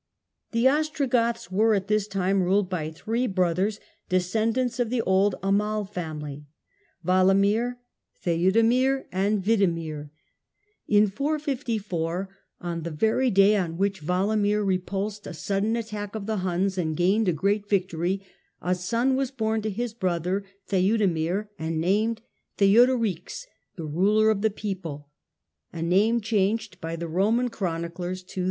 Birth of The Ostrogoths were at this time ruled by three brothers, descendants of the old Amal family, Walamir, Theudemir and Widemir. In 454, on the very day on which Walamir repulsed a sudden attack of the Huns and gained a great victory, a son was born to his brother Theudemir, and named Theuda reiks, the " ruler of the people "— a name changed by the Eoman chroniclers to Theodoric.